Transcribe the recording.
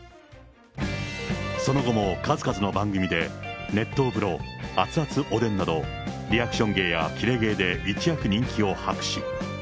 その後も数々の番組で、熱湯風呂、熱々おでんなど、リアクション芸や切れ芸で、一躍人気を博し。